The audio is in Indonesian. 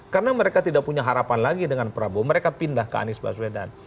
karena mereka tidak punya harapan lagi dengan prabowo mereka pindah ke anies baswedan